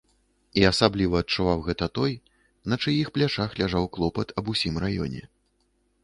І асабліва адчуваў гэта той, на чыіх плячах ляжаў клопат аб усім раёне.